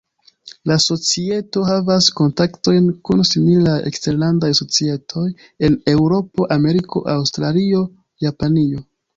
La societo havas kontaktojn kun similaj eksterlandaj societoj en Eŭropo, Ameriko, Aŭstralio, Japanio.